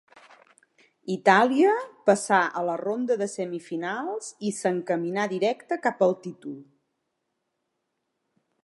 Itàlia passà a la ronda de semifinals i s'encaminà directe cap al títol.